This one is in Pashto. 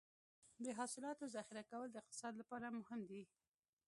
د حاصلاتو ذخیره کول د اقتصاد لپاره مهم دي.